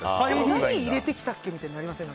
何入れてきたっけ？ってなりません？